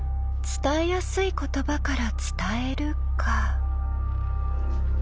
伝えやすい言葉から伝えるか。